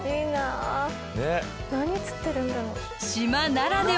何釣ってるんだろ。